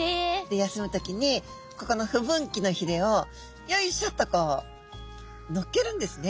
で休む時にここの不分岐のひれをよいしょとこうのっけるんですね。